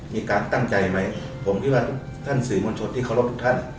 มีการตั้งใจไหมผมคิดว่าท่านสื่อมวลชนที่เคารพทุกท่าน